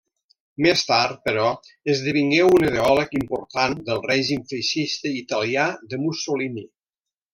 Més tard, però, esdevingué un ideòleg important del règim feixista italià de Mussolini.